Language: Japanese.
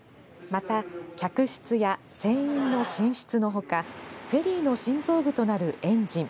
また、客室や船員の寝室のほかフェリーの心臓部となるエンジン